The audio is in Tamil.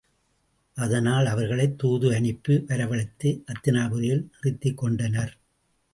அதனால் அவர்களைத் துது அனுப்பி வரவழைத்து அத்தினாபுரியில் நிறுத்திக் கொண்டனர்.